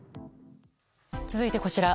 続いて、こちら。